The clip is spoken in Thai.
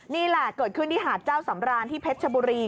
นี่แหละเกิดขึ้นที่หาดเจ้าสำรานที่เพชรชบุรี